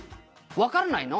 わからないの？」